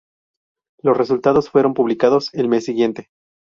Los resultados fueron publicados el mes siguiente.